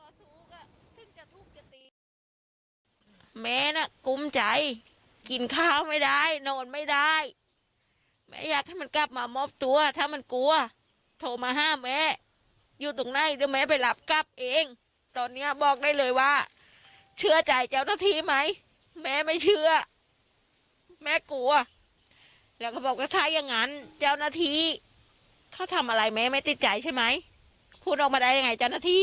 แม่น่ะกุ้มใจกินข้าวไม่ได้นอนไม่ได้แม่อยากให้มันกลับมามอบตัวถ้ามันกลัวโทรมาห้ามแม่อยู่ตรงไหนเดี๋ยวแม่ไปหลับกลับเองตอนเนี้ยบอกได้เลยว่าเชื่อใจเจ้าหน้าที่ไหมแม่ไม่เชื่อแม่กลัวแล้วก็บอกว่าถ้าอย่างงั้นเจ้าหน้าที่เขาทำอะไรแม่ไม่ติดใจใช่ไหมพูดออกมาได้ยังไงเจ้าหน้าที่